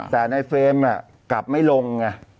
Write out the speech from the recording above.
แต่ในเฟรมกลับไม่ลงไง